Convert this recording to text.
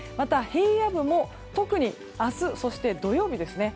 平野部も特に明日そして土曜日ですね。